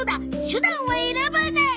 手段は選ばない！